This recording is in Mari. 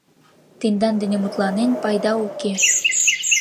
Тендан дене мутланен, пайда уке...